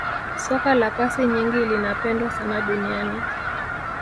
soka la pasi nyingi linapendwa sana duniani